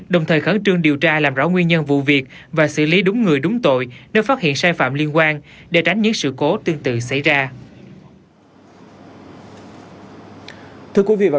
đồng thời khẩn trương điều tra làm rõ nguyên nhân vụ việc và xử lý đúng người đúng tội nếu phát hiện sai phạm liên quan để tránh những sự cố tương tự xảy ra